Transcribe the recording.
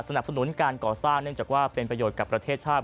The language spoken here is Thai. สนับสนุนการก่อสร้างเนื่องจากว่าเป็นประโยชน์กับประเทศชาติ